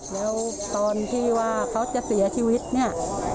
แล้วตอนที่ว่าเขาจะเสียชีวิตเนี่ย